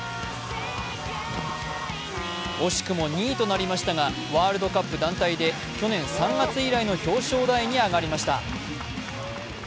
惜しくも２位となりましたが、ワールドカップ団体で去年３月以来の表彰台に上がりました。